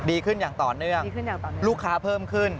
ดีขึ้นอย่างต่อเนื่องลูกค้าเพิ่มขึ้น